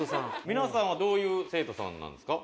みなさんはどういう生徒さんなんですか？